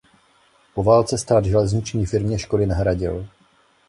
Po válce stát železniční firmě škody nahradil.